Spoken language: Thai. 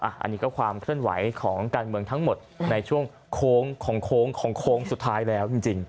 อันนี้ก็ความเคลื่อนไหวของการเมืองทั้งหมดในช่วงโค้งของโค้งของโค้งสุดท้ายแล้วจริง